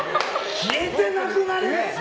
消えてなくなれ！ですよ。